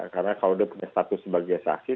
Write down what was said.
karena kalau dia punya status sebagai saksi